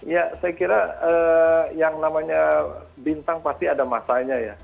ya saya kira yang namanya bintang pasti ada masanya ya